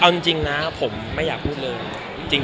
เอาจริงผมไม่อยากพูดเรื่องว่า